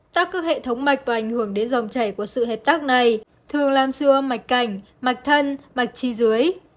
tắc các hệ thống mạch và ảnh hưởng đến dòng chảy của sự hẹp tắc này thường làm siêu âm mạch cảnh mạch thân mạch chi dưới